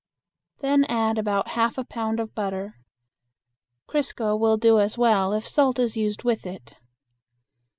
Then add about half a pound of butter. Crisco will do as well if salt is used with it.